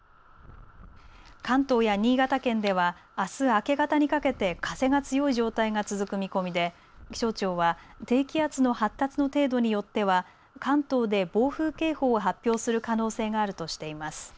関東や新潟県ではあす明け方にかけて風が強い状態が続く見込みで気象庁は低気圧の発達の程度によっては関東で暴風警報を発表する可能性があるとしています。